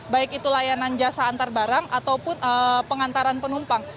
baik itu layanan jasa antar barang ataupun pengantaran penumpang